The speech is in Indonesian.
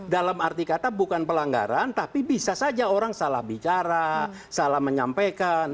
dalam arti kata bukan pelanggaran tapi bisa saja orang salah bicara salah menyampaikan